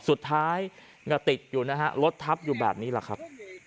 สุดท้ายก็ติดอยู่นะฮะรถทับอยู่แบบนี้แหละครับ